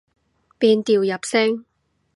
變調入聲